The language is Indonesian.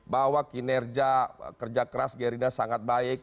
bahwa kinerja kerja keras gerindra sangat baik